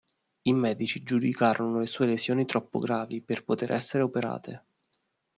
I medici giudicarono le sue lesioni troppo gravi per poter essere operate.